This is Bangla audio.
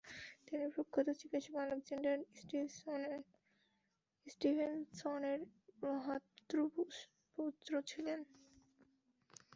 তিনি প্রখ্যাত চিকিৎসক আলেকজান্ডার স্টিভেনসনের ভ্রাতুষ্পুত্র ছিলেন।